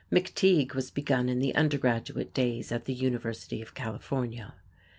"McTeague" was begun in the undergraduate days at the University of California.